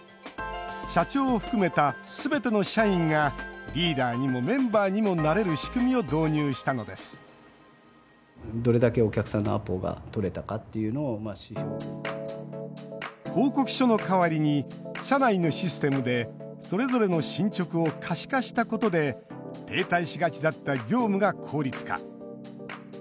社長を含めたすべての社員がリーダーにもメンバーにもなれる仕組みを導入したのです報告書の代わりに社内のシステムでそれぞれの進捗を可視化したことで停滞しがちだった業務が効率化。